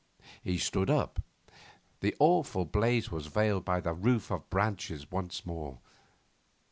He stood up. The awful blaze was veiled by the roof of branches once more.